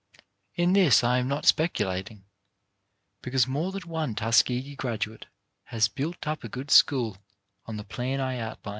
In this I am not speculating, because more than one Tuskegee graduate has built up a good school on the plan I outline.